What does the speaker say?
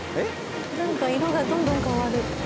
なんか色がどんどん変わる。